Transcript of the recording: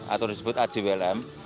atau disebut ajwlm